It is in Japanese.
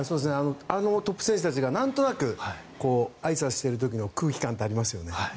あのトップ選手たちがなんとなくあいさつしている時の空気感ってありますよね。